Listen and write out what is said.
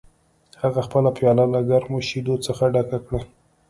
هغه خپله پیاله له ګرمو شیدو څخه ډکه کړه